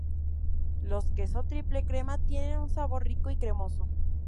Los queso triple crema tiene un sabor rico y cremoso.